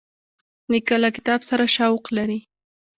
نیکه له کتاب سره شوق لري.